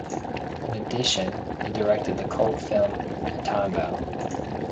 In addition, he directed the cult film "Matango".